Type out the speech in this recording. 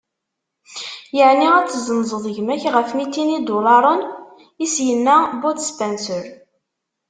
Yeɛni ad tezzenzeḍ gma-k ɣef mitin idularen? i s-yenna Bud Spencer.